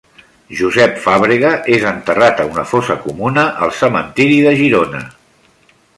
Josep Fàbrega és enterrat a una fosa comuna al cementiri de Girona.